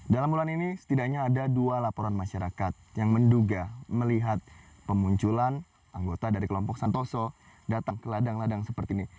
dalam bulan ini setidaknya ada dua laporan masyarakat yang menduga melihat pemunculan anggota dari kelompok santoso datang ke ladang ladang seperti ini